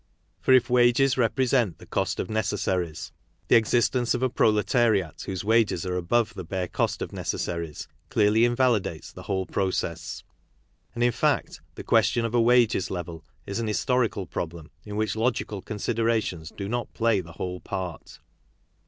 For if wages represent the cost of necessaries, 'the existence of a proletariat whose wages are above the bare cost of necessaries clearly invalidates the whole process. And, in fact, the question of a wages level is an historical problem in which logical considerations do not play the whole part.